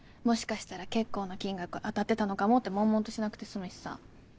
もしかしたら結構な金額当たってたのかもってもんもんとしなくて済むしさ。